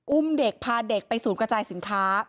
อุ้มเด็กพาเด็กไปศูนย์กระจายสินค้า